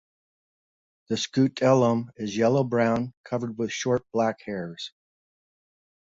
The scutellum is yellow brown covered with short black hairs.